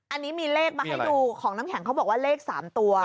อันนี้มีเลขมาให้ดูของน้ำแข็งเขาบอกว่าเลข๓ตัว